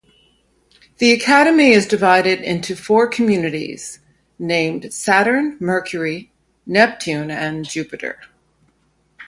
The academy is divided into four communities named Saturn, Mercury, Neptune and Jupiter.